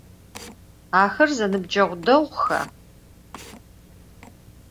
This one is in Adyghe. Axer zenıbceğu değuxa?